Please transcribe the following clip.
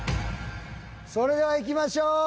それではいきましょう。